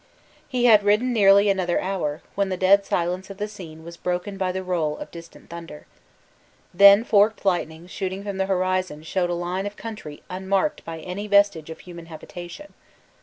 He had ridden nearly another hour, when the dead silence of the scene was broken by the roll of distant thunder. Then forked lightning shooting from the horizon showed a line of country unmarked by any vestige of human habitation.